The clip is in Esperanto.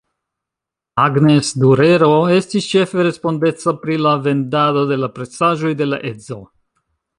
Agnes Durero estis ĉefe respondeca pri la vendado de la presaĵoj de la edzo.